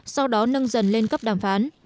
sau đó nâng dần lên cấp đàm phán